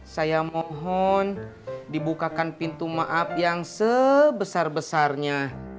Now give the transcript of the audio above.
saya mohon dibukakan pintu maaf yang sebesar besarnya